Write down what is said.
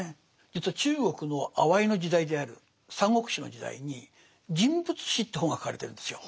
実は中国のあわいの時代である「三国志」の時代に「人物志」という本が書かれてるんですよ。